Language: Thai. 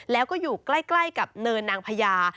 แล้วก็อยู่ใกล้กับเนินนางพญา